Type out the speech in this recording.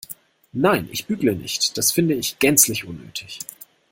Nein, ich bügle nicht, das finde ich gänzlich unnötig.